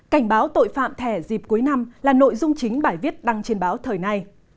cảnh báo tội phạm thẻ dịp cuối năm là nội dung chính bài viết đăng trên báo thời nay